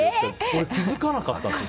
俺、気づかなかった。